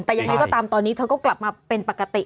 แต่ยังไงก็ตามตอนนี้เธอก็กลับมาเป็นปกติ